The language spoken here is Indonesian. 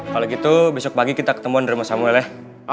kalau gitu besok pagi kita ketemuan di rumah samuel ya